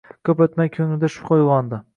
ko‘p o‘tmay ko‘nglida shubha uyg‘ondi.